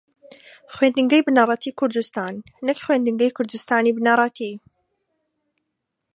خوێندنگەی بنەڕەتیی کوردستان نەک خوێندنگەی کوردستانی بنەڕەتی